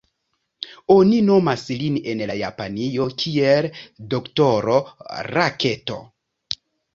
Oni nomas lin en Japanio kiel "D-ro Raketo".